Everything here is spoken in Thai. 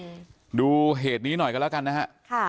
อืมดูเหตุนี้หน่อยกันแล้วกันนะฮะค่ะ